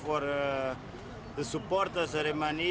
untuk supporter aremanita